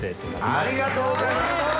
ありがとうございます。